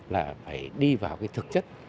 là phải đi vào cái thực chất